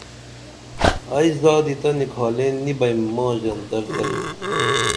ائی زادی تہ نِکھالین نی بئیم ماں ژنتر تلی